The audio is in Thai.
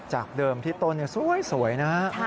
จากเดิมที่ต้นเนี่ยสวยนะครับ